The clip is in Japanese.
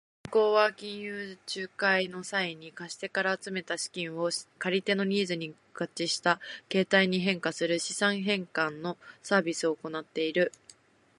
銀行は金融仲介の際に、貸し手から集めた資金を借り手のニーズに合致した形態に変換する資産変換のサービスを行っている。